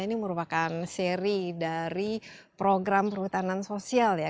ini merupakan seri dari program perhutanan sosial ya